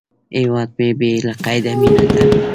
هیواد مې بې له قیده مینه ده